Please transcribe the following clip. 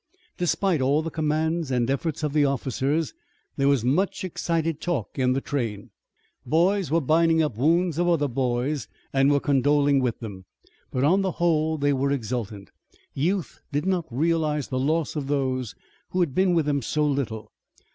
Despite all the commands and efforts of the officers there was much excited talk in the train. Boys were binding up wounds of other boys and were condoling with them. But on the whole they were exultant. Youth did not realize the loss of those who had been with them so little.